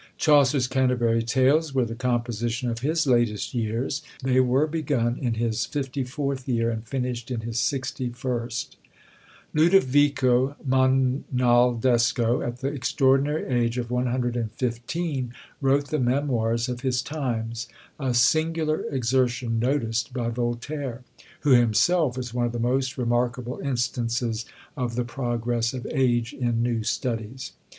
Chaucer's Canterbury Tales were the composition of his latest years: they were begun in his fifty fourth year, and finished in his sixty first. Ludovico Monaldesco, at the extraordinary age of 115, wrote the memoirs of his times. A singular exertion, noticed by Voltaire; who himself is one of the most remarkable instances of the progress of age in new studies.